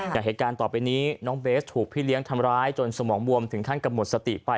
อย่างเหตุการณ์ต่อไปนี้น้องเบสถูกพี่เลี้ยงทำร้ายจนสมองบวมถึงขั้นกับหมดสติไป